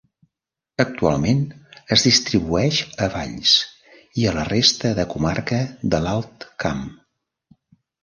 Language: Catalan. Actualment, es distribueix a Valls i a la resta de comarca de l'Alt Camp.